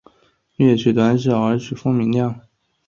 乐曲短小而曲风明亮。